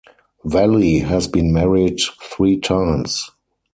Valli has been married three times.